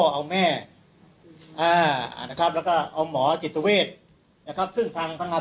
เอาแม่นะครับแล้วก็เอาหมอจิตเวทนะครับซึ่งทางพนักงาน